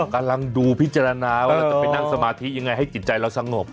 กำลังดูพิจารณาว่าเราจะไปนั่งสมาธิยังไงให้จิตใจเราสงบ